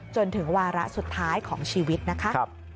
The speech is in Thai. จนถึงวาระสุดท้ายของชีวิตนะคะ